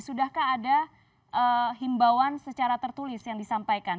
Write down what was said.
sudahkah ada himbauan secara tertulis yang disampaikan